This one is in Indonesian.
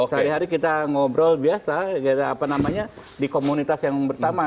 hari hari kita ngobrol biasa di komunitas yang bersama